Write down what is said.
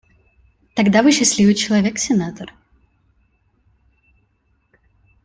Тогда вы счастливый человек, сенатор.